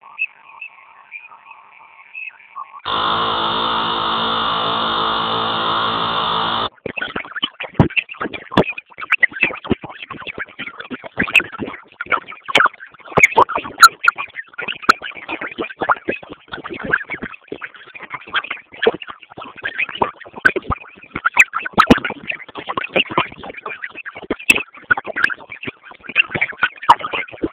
Mifugo asilia hasa ngombe wenye nundu